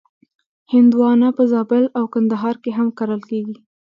هندوانه په زابل او کندهار کې هم کرل کېږي.